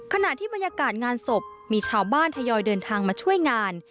ขณะที่บรรยากาศงานศพมีชาวบ้านทยอยเดินทางมาช่วยงาน